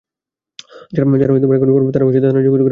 যারা এখনো ফরম পাননি, তাঁরা থানায় যোগাযোগ করে ফরম সংগ্রহ করবেন।